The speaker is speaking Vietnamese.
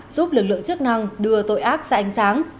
giúp lực lượng chức năng đưa tội ác ra ánh sáng